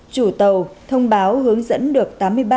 chủ tàu thông báo hướng dẫn được